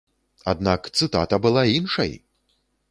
Аднак цытата была іншай!